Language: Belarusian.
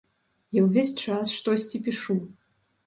Я ўвесь час штосьці пішу.